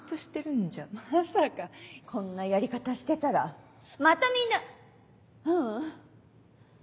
こんなやり方してたらまたみんなううん。